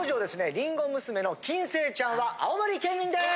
りんご娘の金星ちゃんは青森県民です！